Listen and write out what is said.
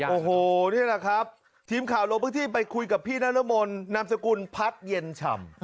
โอ้โหนี่แหละครับทีมข่าวลงพื้นที่ไปคุยกับพี่นรมนนามสกุลพัดเย็นฉ่ำ